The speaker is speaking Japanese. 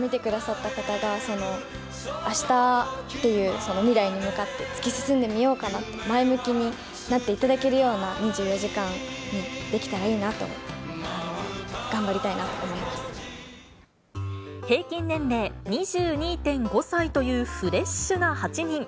見てくださった方が、あしたっていう、その未来に向かって突き進んでみようかなと、前向きになっていただけるような２４時間にできたらいいなと思っ平均年齢２２．５歳というフレッシュな８人。